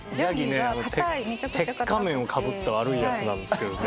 鉄仮面をかぶった悪いヤツなんですけどね。